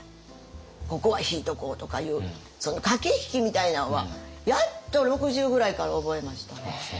ここは引いとこうとかいうその駆け引きみたいなんはやっと６０ぐらいから覚えましたね。